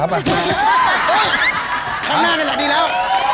ข้างหน้านั่นแหละดีแล้ว